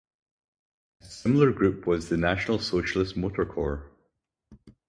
A similar group was the National Socialist Motor Corps.